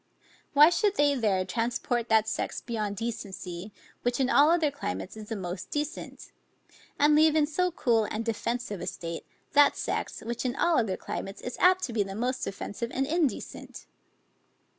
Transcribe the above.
Why should they there transport that sex beyond decency, which in all other climates is the most decent? And leave in so cool and defensive a state, that sex, which in all other climates is apt to be the most offensive and indecent?